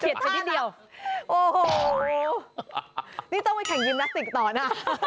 ไปนิดเดียวโอ้โหนี่ต้องไปแข่งยิมนาสติกต่อนะ